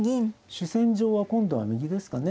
主戦場は今度は右ですかね。